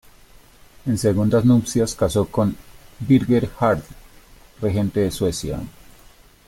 En segundas nupcias casó con Birger jarl, regente de Suecia.